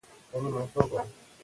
کمپیوټر به په پښتو خبرې کول زده کړي.